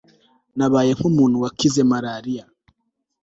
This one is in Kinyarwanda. Nabaye nkumuntu wakize marariya